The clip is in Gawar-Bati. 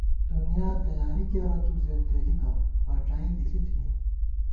دُنیا تیاری کېرہ تُو زېنتېلِکہ ، فاڄائی دِݪی تھنی